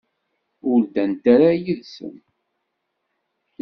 Ur ddant ara yid-sen.